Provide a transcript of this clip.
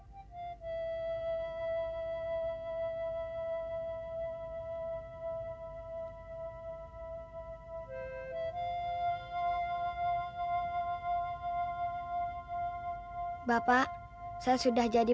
bergembira dengan kami